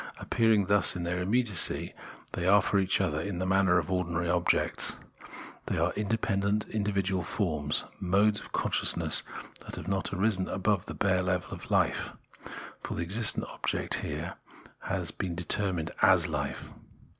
Appearing thus in their immediacy, they are for each other in the manner of ordinary objects. They are independent individual forms, modes of consciousness that have not risen above the bare level of life (for the existent object here has been determined as life).